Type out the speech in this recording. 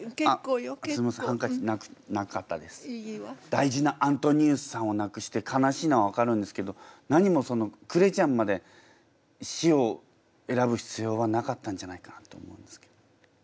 大事なアントニウスさんをなくして悲しいのはわかるんですけどなにもそのクレちゃんまで死を選ぶ必要はなかったんじゃないかなって思うんですけど。